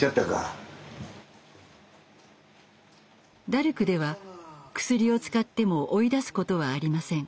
ダルクではクスリを使っても追い出すことはありません。